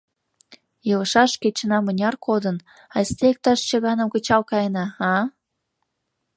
Илышаш кечына мыняр кодын, айста иктаж чыганым кычал каена, а?!